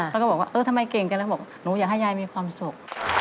แล้วก็บอกว่าเออทำไมเก่งกันแล้วบอกหนูอยากให้ยายมีความสุข